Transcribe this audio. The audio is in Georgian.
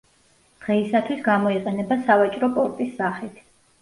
დღეისათვის გამოიყენება სავაჭრო პორტის სახით.